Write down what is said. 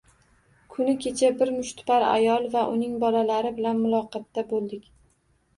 Kuni kecha bir mushtipar ayol va uning bolalari bilan muloqotda bo‘ldik